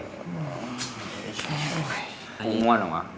กูอ้วนเหรอวะ